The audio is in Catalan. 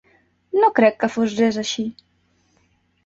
No crec que fos res així.